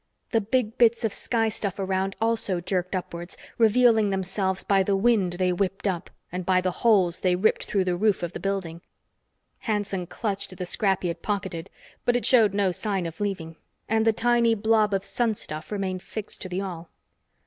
The big bits of sky stuff around also jerked upwards, revealing themselves by the wind they whipped up and by the holes they ripped through the roof of the building. Hanson clutched at the scrap he had pocketed, but it showed no sign of leaving, and the tiny blob of sun stuff remained fixed to the awl.